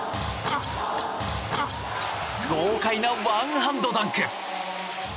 豪快なワンハンドダンク！